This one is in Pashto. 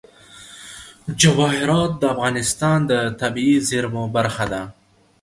جواهرات د افغانستان د طبیعي زیرمو برخه ده.